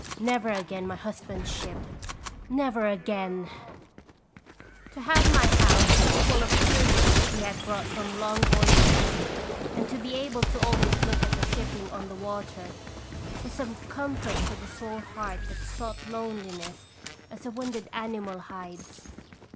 Never again my husband's ship, never again ! To have my house full of curios he had brought from long voyages, and to be able to always look at the shipping on the water, was some comfort for the sore heart that sought loneliness as' a wounded animal hides.